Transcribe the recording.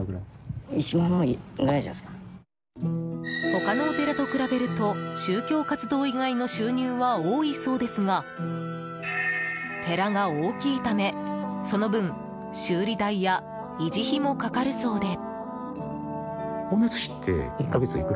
他のお寺と比べると宗教活動以外の収入は多いそうですが寺が大きいため、その分修理代や維持費もかかるそうで。